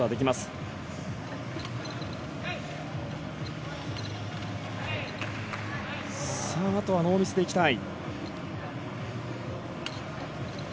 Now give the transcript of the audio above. そのあとはノーミスでいきたい。